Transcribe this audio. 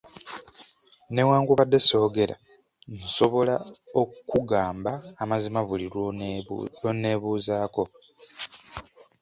Newankubadde soogera, nsobola okukugamba amazima buli lw'oneebuuzaako.